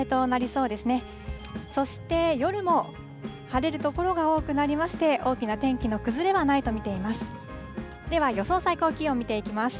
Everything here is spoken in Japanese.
そして夜も晴れる所が多くなりまして、大きな天気の崩れはないと見ています。